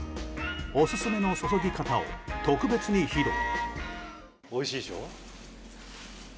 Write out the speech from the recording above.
オススメの注ぎ方を特別に披露。